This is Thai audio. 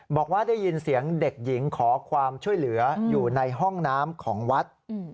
บอกว่าได้ยินเสียงเด็กหญิงขอความช่วยเหลืออยู่ในห้องน้ำของวัด